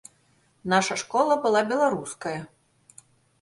Наша школа была беларуская.